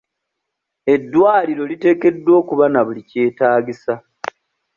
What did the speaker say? Eddwaliro liteekeddwa okuba na buli kyetaagisa .